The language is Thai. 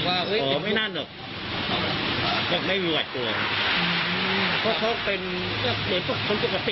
ก็คือผู้ทดมาเขาก็ทำชีวิตปกติมาช้าหวรบ้านตัวไง